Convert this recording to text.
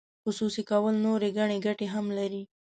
خصوصي کول نورې ګڼې ګټې هم لري.